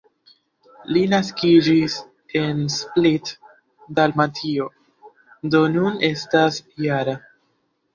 Li naskiĝis en Split, Dalmatio, do nun estas -jara.